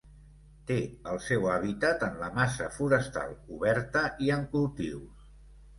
Té el seu hàbitat en la massa forestal oberta i en cultius.